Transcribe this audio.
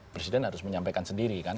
presiden harus menyampaikan sendiri kan